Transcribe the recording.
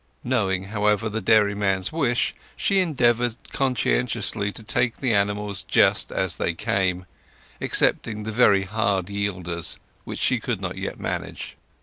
Knowing, however, the dairyman's wish, she endeavoured conscientiously to take the animals just as they came, excepting the very hard yielders which she could not yet manage.